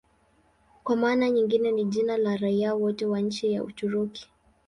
Kwa maana nyingine ni jina la raia wote wa nchi ya Uturuki.